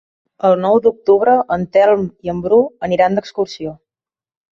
El nou d'octubre en Telm i en Bru aniran d'excursió.